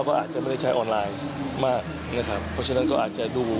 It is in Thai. ก็วันนี้ผมเป็นรัฐบาลอยู่